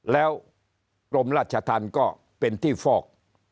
แล้วกรมราชธรรมก็เป็นที่ฟอก